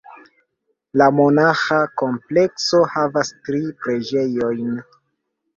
La monaĥa komplekso havas tri preĝejojn.